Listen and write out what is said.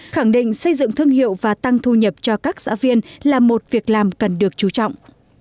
khẳng định xây dựng thương hiệu và tăng thu nhập cho các xã viên là một việc làm cần được chú trọng